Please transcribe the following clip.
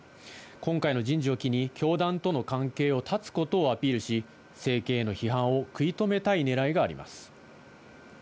今回の人事を機に、教団との関係を絶つことをアピールし、政権への批判を食い止めたいねらいがあります。